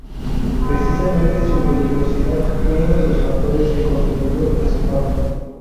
Precisamente su peligrosidad fue uno de los factores que contribuyó a su fama.